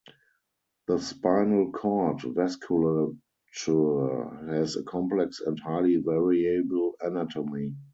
The spinal cord vasculature has a complex and highly variable anatomy.